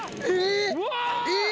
えっ！